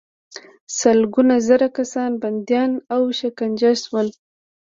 سلګونه زره کسان بندیان او شکنجه شول.